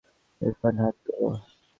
ইরফান হাত তোলো।